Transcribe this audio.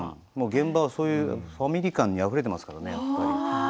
現場がファミリー感にあふれていますからね。